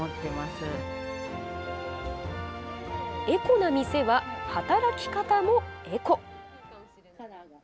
エコな店は働き方もエコ。